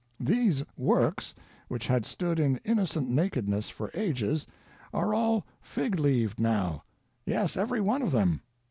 These works, which had stood in innocent nakedness for ages, are all fig leaved now. Yes, every one of them.